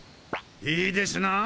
いいですなあ